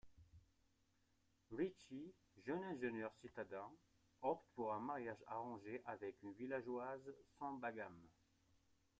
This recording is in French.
Rishi, jeune ingénieur citadin, opte pour un mariage arrangé avec une villageoise, Senbagam.